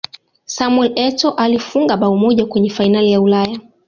samuel etoo alifunga bao moja kwenye fainali ya ulaya